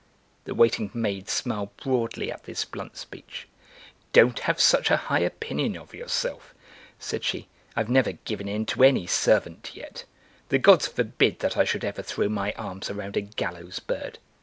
The waiting maid smiled broadly at this blunt speech. "Don't have such a high opinion of yourself," said she, "I've never given in to any servant yet; the gods forbid that I should ever throw my arms around a gallows bird.